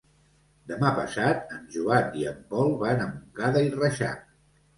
Demà passat en Joan i en Pol van a Montcada i Reixac.